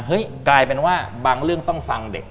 กลายเป็นว่าบางเรื่องต้องฟังเด็ก